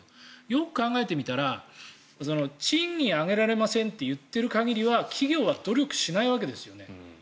よく考えてみたら賃金を上げられませんと言っている限りは企業は努力しないわけですよね。